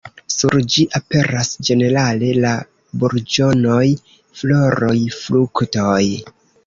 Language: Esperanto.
Sur ĝi aperas ĝenerale la burĝonoj, floroj, fruktoj.